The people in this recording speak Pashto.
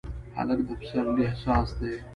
هلک د پسرلي احساس دی.